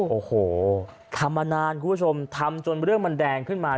โอ้โหทำมานานคุณผู้ชมทำจนเรื่องมันแดงขึ้นมา